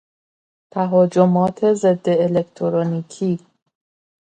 تهاجمات ضد الکترونیکی